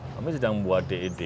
kami sedang membuat ded